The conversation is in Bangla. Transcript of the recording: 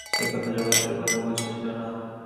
সে কথা যোগেন্দ্রের কানে পৌঁছিল না।